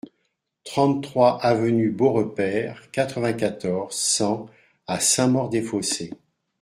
trente-trois avenue Beaurepaire, quatre-vingt-quatorze, cent à Saint-Maur-des-Fossés